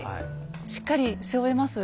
しっかり背負えます？